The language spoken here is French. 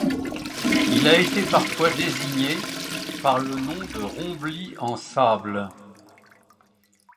Il a été parfois désigné par le nom de Rombly-en-sable.